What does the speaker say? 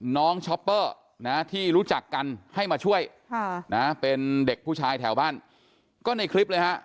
ช็อปเปอร์นะที่รู้จักกันให้มาช่วยเป็นเด็กผู้ชายแถวบ้านก็ในคลิปเลยฮะ